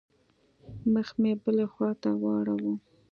مخ مې بلې خوا ته واړاوه.